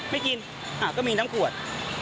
ไม่กินก็มีน้ำขวด